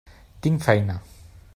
Tinc feina.